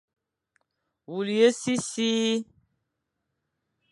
Wule sisi,